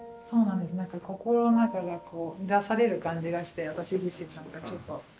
心の中が乱される感じがして私自身なんかちょっと。